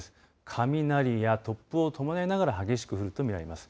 雷や突風を伴いながら激しく降ると見られます。